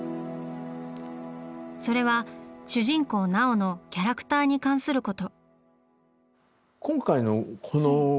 それは主人公奈緒のキャラクターに関すること。